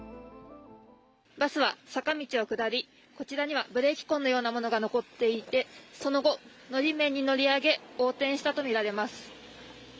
バスは坂道を下り、こちらにはブレーキ痕のようなものが残っていてその後、のり面に乗り上げ横転したとみられます。